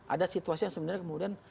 ada situasi yang sebenarnya kemudian